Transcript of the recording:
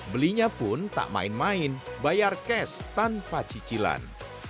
belinya pun tak main main bayar cash tanpa cicilan